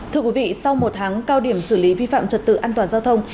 thưa quý vị sau một tháng cao điểm xử lý vi phạm trật tự an toàn giao thông